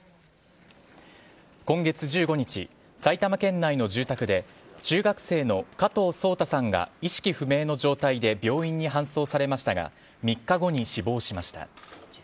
今月１５日埼玉県内の住宅で中学生の加藤颯太さんが意識不明の状態で病院に搬送されましたが３日後に死亡しました。